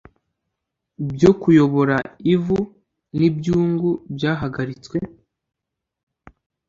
byo kuyora ivu n ibyungu byahagaritswe